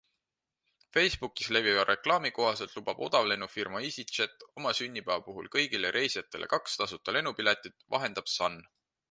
Facebookis leviva reklaami kohaselt lubab odavlennufirma easyJet oma sünnipäeva puhul kõigile reisijatele kaks tasuta lennupiletit, vahendab Sun.